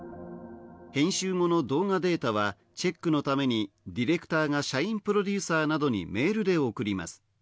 編集後の動画データはチェックのためにディレクターが社員プロデューサーなどにメールで送ります。